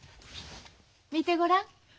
見てごらん。